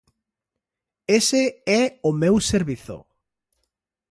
Ese é o meu servizo.